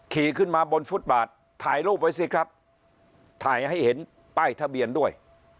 ขี่ขึ้นมาบนฟุตบาทถ่ายรูปไว้สิครับถ่ายให้เห็นป้ายทะเบียนด้วย